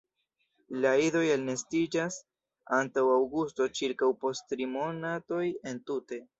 La idoj elnestiĝas antaŭ aŭgusto ĉirkaŭ post tri monatoj entute.